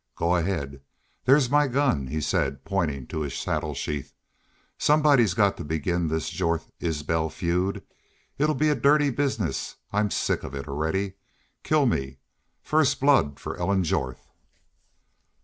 "Go ahead. There's my gun," he said, pointing to his saddle sheath. "Somebody's got to begin this Jorth Isbel feud. It'll be a dirty business. I'm sick of it already.... Kill me! ... First blood for Ellen Jorth!"